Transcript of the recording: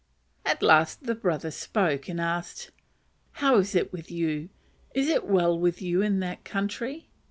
At last the brother spoke, and asked, "How is it with you? is it well with you in that country?"